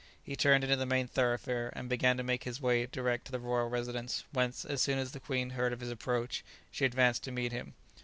He turned into the main thoroughfare, and began to make his way direct to the royal residence, whence, as soon as the queen heard of his approach, she advanced to meet him.